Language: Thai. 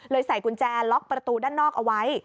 ใส่กุญแจล็อกประตูด้านนอกเอาไว้